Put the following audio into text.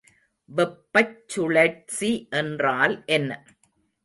வெப்பச் சுழற்சி என்றால் என்ன?